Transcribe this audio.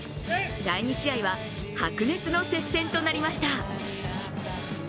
第２試合は、白熱の接戦となりました。